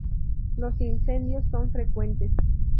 Los incendios son frecuentes.